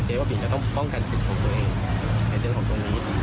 ว่าบินจะต้องป้องกันสิทธิ์ของตัวเองในเรื่องของตรงนี้